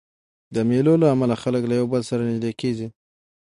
د مېلو له امله خلک له یو بل سره نږدې کېږي.